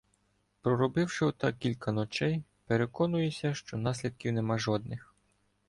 Проробивши отак кілька ночей, переконуюся, що наслідків нема жодних.